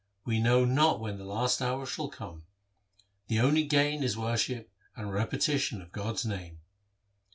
We know not when the last hour shall come The only gain is worship, and repetition of God's name.'